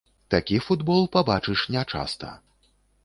Такі футбол пабачыш нячаста.